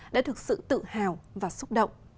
đã thực sự tự hào và xúc động